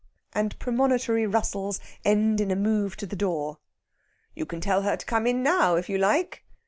And premonitory rustles end in a move to the door. "You can tell her to come in now if you like."